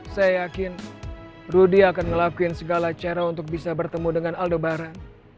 saya yakin rudy akan ngelakuin segala cara untuk bisa bertemu dengan aldo baran